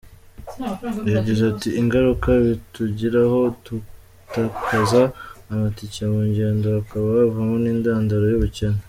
Yagize ati “Ingaruka bitugiraho dutakaza amatike mu ngendo, hakaba havamo n’intandaro y’ubukene.